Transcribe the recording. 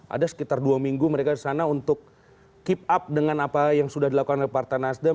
ada sekitar dua minggu mereka di sana untuk keep up dengan apa yang sudah dilakukan oleh partai nasdem